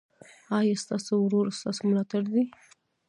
ایا ستاسو ورور ستاسو ملاتړ دی؟